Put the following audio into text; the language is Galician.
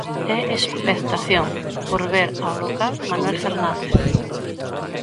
E expectación por ver ao local Manuel Fernández.